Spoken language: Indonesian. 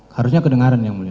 harusnya kedengaran ya mulia